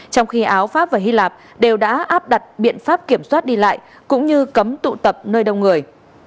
trong khi áo pháp và hy lạp đều đã áp đặt biện pháp kiểm soát đi lại cũng như cấm tụ tập nơi đông người